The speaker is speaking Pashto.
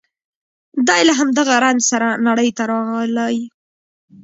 دی له همدغه رنځ سره نړۍ ته راغلی